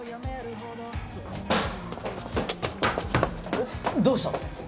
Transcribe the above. えっどうした？